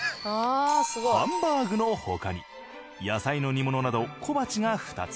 ハンバーグのほかに野菜の煮物など小鉢が２つ。